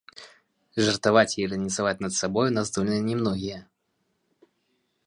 Жартаваць і іранізаваць над сабой у нас здольныя не многія.